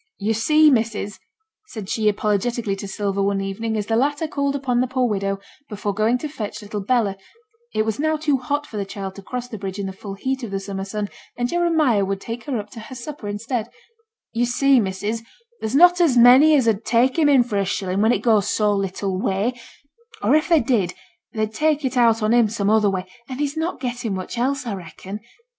'Yo' see, missus,' said she, apologetically, to Sylvia, one evening, as the latter called upon the poor widow before going to fetch little Bella (it was now too hot for the child to cross the bridge in the full heat of the summer sun, and Jeremiah would take her up to her supper instead) 'Yo' see, missus, there's not a many as 'ud take him in for a shillin' when it goes so little way; or if they did, they'd take it out on him some other way, an' he's not getten much else, a reckon.